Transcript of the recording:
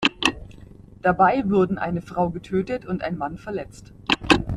Dabei wurden eine Frau getötet und ein Mann verletzt.